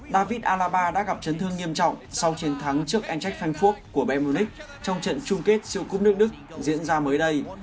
david alaba đã gặp chấn thương nghiêm trọng sau chiến thắng trước eintracht frankfurt của bayern munich trong trận chung kết siêu cúp nước đức diễn ra mới đây